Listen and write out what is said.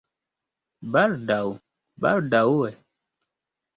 Baldaŭ? Baldaŭe?